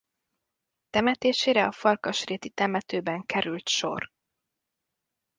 Temetésére a Farkasréti temetőben került sor.